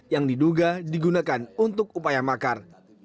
yang diduga digunakan untuk upaya makar